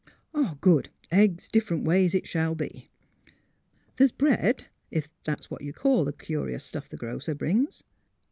'' Good! Eggs different ways it shall be. There's bread — if that's what you call the curious stuff the grocer brings."